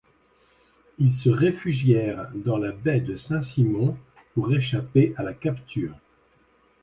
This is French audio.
Ils se réfugièrent dans la baie de Saint-Simon pour échapper à la capture.